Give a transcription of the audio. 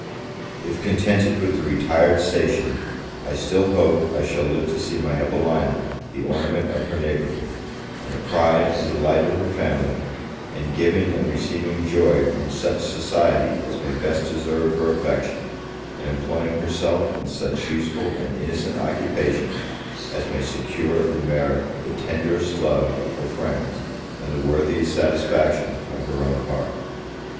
If contented with a retired station, I still hope I shall live to see my Evelina the ornament of her neighbourhood, and the pride and delight of her family; and giving and receiving joy from such society as may best deserve her affection, and employing herself in such useful and innocent occupations as may secure and merit the tenderest love of her friends, and the worthiest satisfaction of her own heart.